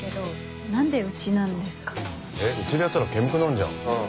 えっうちでやったら煙くなんじゃん。